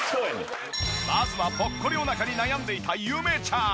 まずはぽっこりお腹に悩んでいたゆめちゃん。